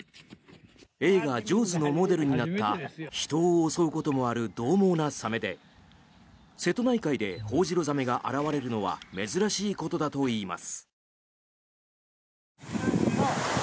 映画「ジョーズ」のモデルになった人を襲うこともあるどう猛なサメで瀬戸内海でホホジロザメが現れるのは珍しいことだといいます。